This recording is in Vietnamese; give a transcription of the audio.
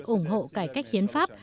ủng hộ cải cách hiến pháp